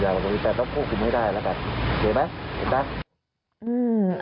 แล้วโครงวิทยาลัยต้องควบคุมให้ได้ละกันได้ไหมได้ไหม